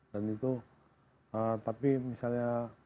dan itu tapi misalnya